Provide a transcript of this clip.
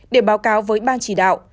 để báo cáo với ban chỉ đạo